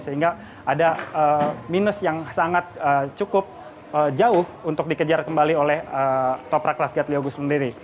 sehingga ada minus yang sangat cukup jauh untuk dikejar kembali oleh toprak raskiat leogus sendiri